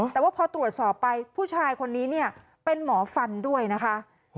แต่ว่าพอตรวจสอบไปผู้ชายคนนี้เนี่ยเป็นหมอฟันด้วยนะคะ